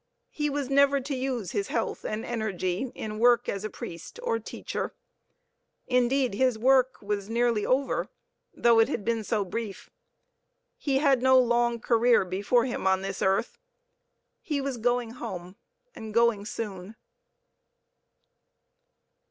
He was never to use his health and energy in work as a priest or teacher. Indeed, his work was nearly over, though it had been so brief. He had no long career before him on this earth; he was going home, and going soon.